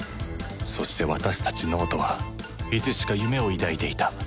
そして私たち脳人はいつしか夢を抱いていた